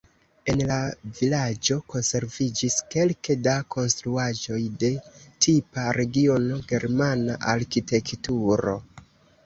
En la vilaĝo konserviĝis kelke da konstruaĵoj de tipa regiona germana arkitekturo.